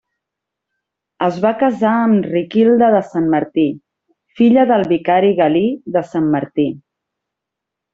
Es va casar amb Riquilda de Sant Martí, filla del vicari Galí de Sant Martí.